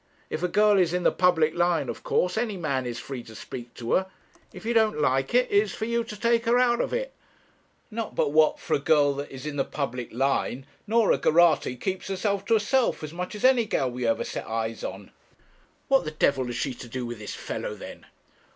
If a girl is in the public line, of course any man is free to speak to her. If you don't like it, it is for you to take her out of it. Not but what, for a girl that is in the public line, Norah Geraghty keeps herself to herself as much as any girl you ever set eyes on.' 'What the d has she to do with this fellow then?'